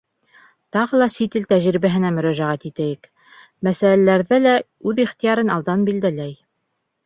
Тағы ла сит ил тәжрибәһенә мөрәжәғәт итәйек. мәсьәләләрҙә лә үҙ ихтыярын алдан билдәләй.